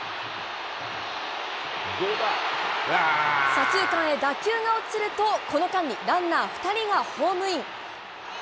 左中間へ打球が落ちるとこの間にランナー２人がホームイン。